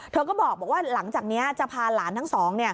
เธอก็บอกว่าหลังจากนี้จะพาหลานทั้งสอง